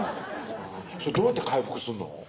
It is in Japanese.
それどうやって回復すんの？